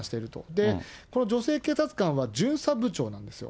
で、この女性警察官は、巡査部長なんですよ。